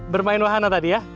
bermain wahana tadi ya